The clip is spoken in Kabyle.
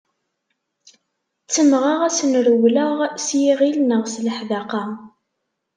Ttemmɣeɣ ad asen-rewlen s yiɣil neɣ s leḥdaqa.